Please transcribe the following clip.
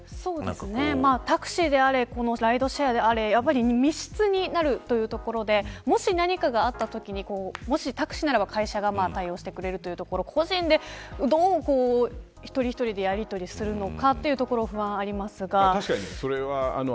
タクシーであれライドシェアであれ密室になるというところでもし何かがあったときにタクシーならば会社が対応してくれるというところ個人で、どう一人一人でやりとりするのかというところは不安はありますが。